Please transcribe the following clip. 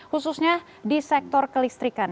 khususnya di sektor kelistrikan